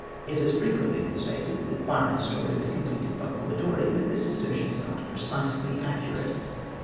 It has frequently been stated that Byron's story was completed by Polidori; but this assertion is not precisely accurate.